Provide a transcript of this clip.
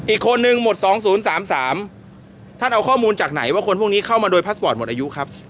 อีกคนนึงหมด๒๐๓๓ท่านเอาข้อมูลจากไหนว่าคนพวกนี้เข้ามาโดยพาสปอร์ตหมดอายุครับ